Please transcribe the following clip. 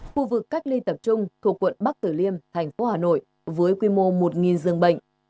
khu vực cách ly tập trung thuộc quận bắc tử liêm thành phố hà nội với quy mô một dương bệnh